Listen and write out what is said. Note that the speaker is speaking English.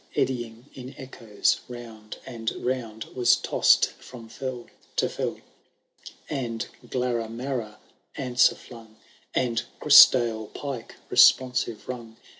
Eddying in echoes round and round. Was to8s*d ftom fell to fell ; And Glaiamaia answer flung. And Grisdale pike responsiYe rung.